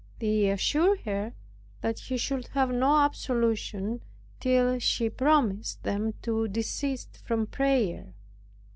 They assured her that she should have no absolution till she promised them to desist from prayer.